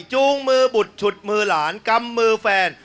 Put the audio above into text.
จูงมือบุดฉุดมือหลานกำมือแฟน